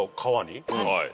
はい。